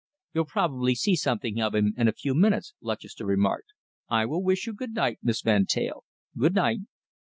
"You'll probably see something of him in a few minutes," Lutchester remarked. "I will wish you good night, Miss Van Teyl. Good night!"